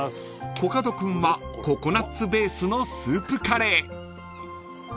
［コカド君はココナッツベースのスープカレー］